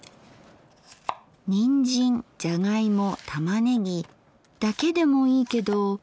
にんじんじゃがいも玉ねぎだけでもいいけど。